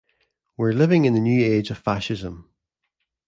We're living in the New Age of Fascism.